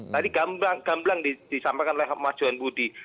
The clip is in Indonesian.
tadi gamblang disampaikan oleh mas johan budi